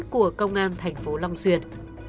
của công an thành phố long xuyên